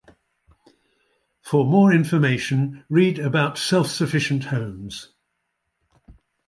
For more information, read about self-sufficient homes.